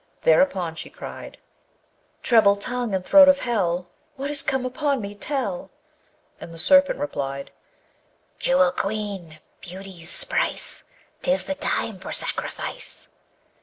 Thereupon she cried: Treble tongue and throat of hell, What is come upon me, tell! And the Serpent replied, Jewel Queen! beauty's price! 'Tis the time for sacrifice!